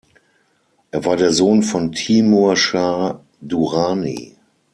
Er war der Sohn von Timur Schah Durrani.